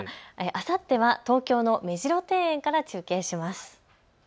あさっては東京の目白庭園から中継します。